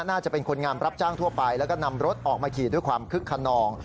น่าจะเป็นคนงามรับจ้างทั่วไปแล้วก็นำรถออกมาขี่ด้วยความคึกขนอง